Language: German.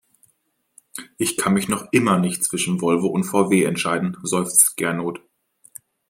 Ich kann mich noch immer nicht zwischen Volvo und VW entscheiden, seufzt Gernot.